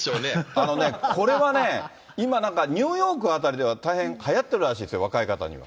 あのね、これはね、今なんか、ニューヨーク辺りでは大変はやってるらしいですよ、若い方には。